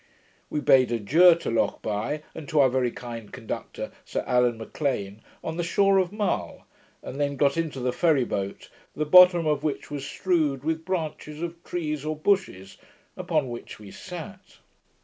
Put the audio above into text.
We bade adieu to Lochbuy, and to our very kind conductor. Sir Allan M'Lean, on the shore of Mull, and then got into the ferry boat, the bottom of which was strewed with branches of trees or bushes, upon which we sat.